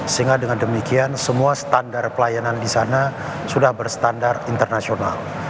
sehingga dengan demikian semua standar pelayanan di sana sudah berstandar internasional